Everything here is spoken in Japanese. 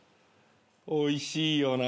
おいしいよな。